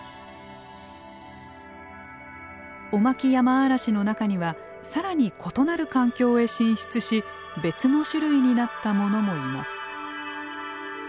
オマキヤマアラシの中には更に異なる環境へ進出し別の種類になった者もいます。